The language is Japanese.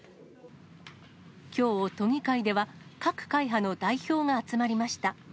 きょう都議会では、各会派の代表が集まりました。